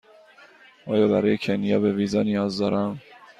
آیا برای کنیا به ویزا نیاز دارم؟